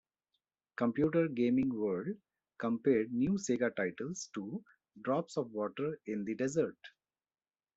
"Computer Gaming World" compared new Sega titles to "drops of water in the desert".